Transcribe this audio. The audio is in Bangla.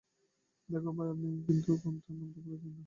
দেখুন ভাই, আপনি কিন্তু ঠিক নামটা বলছেন না।